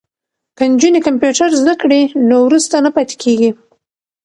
که نجونې کمپیوټر زده کړی نو وروسته نه پاتې کیږي.